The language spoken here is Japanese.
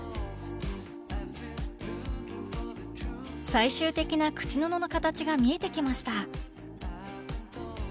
最終的な口布の形が見えてきました